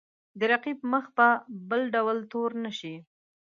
د رقیب مخ په بل ډول تور نه شي.